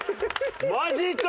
マジか！